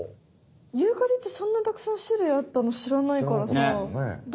ユーカリってそんなたくさん種類あったのしらないからさ。